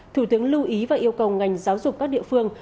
thủ tướng lưu ý và yêu cầu ngành giáo dục các địa phương